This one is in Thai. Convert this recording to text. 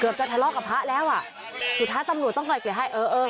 เกือบกันทะเลาะกับพระแล้วสุถานตำรวจต้องราชกิจให้